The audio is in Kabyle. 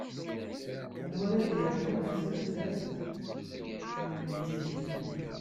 anwa ara d-yernun ar tebdart n lmeyytin